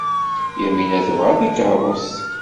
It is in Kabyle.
Yamina tebɣa takeṛṛust.